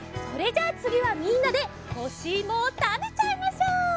それじゃあつぎはみんなでほしいもをたべちゃいましょう！